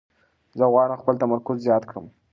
زه غواړم خپل تمرکز زیات کړم.